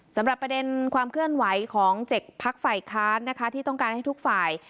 สำหรับประเด็นความเคลื่อนไหวของ๗พักฝ่ายค้านนะคะที่ต้องการให้ทุกฝ่าย